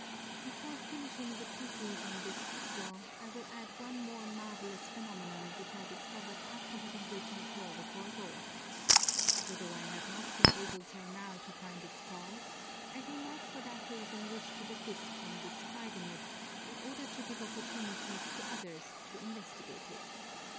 Before finishing the treatise on this Crystal, I will add one more marvellous phenomenon which I discovered after having written all the foregoing. For though I have not been able till now to find its cause, I do not for that reason wish to desist from describing it, in order to give opportunity to others to investigate it.